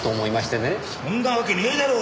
そんなわけねえだろ！